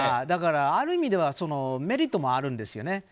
だから、ある意味ではメリットもあるんですよね。